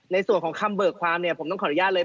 ในส่วนของคำเบิกความเนี่ยผมต้องขออนุญาตเลย